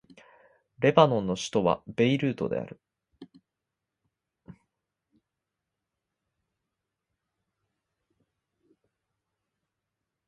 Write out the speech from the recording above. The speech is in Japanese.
レバノンの首都はベイルートである